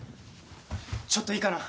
ちょっといいかな。